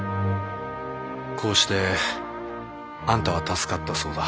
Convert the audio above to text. こうしてあんたは助かったそうだ。